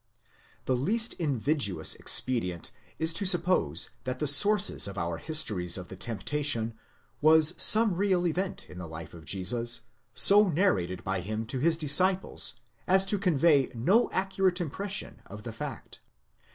The least invidious expedient is to suppose that the source of our histories of the temptation was some real event in the life of Jesus, so narrated by him to his disciples as to convey no accurate impression of the fact.